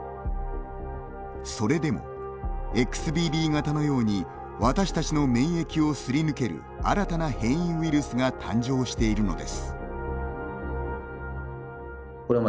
それでもＸＢＢ型のように私たちの免疫をすり抜ける新たな変異ウイルスが誕生しているのです。